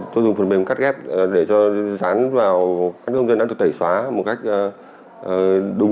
tôi dùng phần mềm cắt ghép để cho rán vào các công dân đang được tẩy xóa một cách đúng